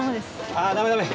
ああダメダメ。